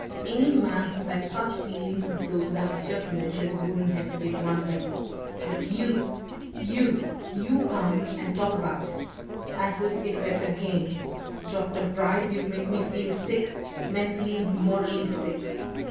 Any man who had such feelings as those I've just mentioned wouldn't hesitate one second. But you you! you come and talk about it! As if it were a game! Dr. Bryce, you make me feel sick, mentally, morally sick."